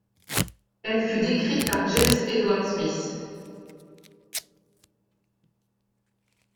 Elle fut décrite par James Edward Smith.